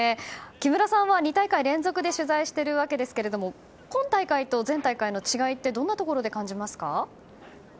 木村さんは２大会連続で取材しているわけですが今大会と前大会の違いはどんなところで感じますか？